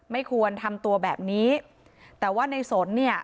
ไม่ควรทำตัวแบบนี้แต่ว่าในสนเนี่ย